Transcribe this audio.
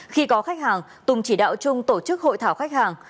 khi có khách hàng tùng chỉ đạo chung tổ chức hội thảo khách hàng